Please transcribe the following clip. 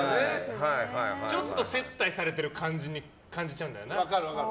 ちょっと接待されてる感じに感じちゃうんだよな。